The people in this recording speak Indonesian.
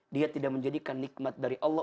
dia tidak menjadikan nikmat dari allah